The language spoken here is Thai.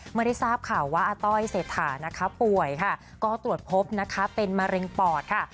เมื่อได้ทราบข่าวว่าอาต้อยเศรษฐานะคะป่วยค่ะก็ตรวจพบนะคะเป็นมะเร็งปอดค่ะ